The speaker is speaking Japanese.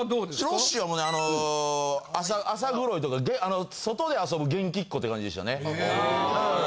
ロッシーはねあの浅黒いとか外で遊ぶ元気っ子って感じでしたね。